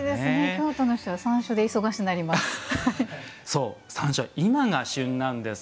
京都の人は山椒で忙しなります。